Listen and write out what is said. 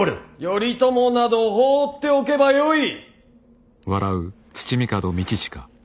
頼朝など放っておけばよい！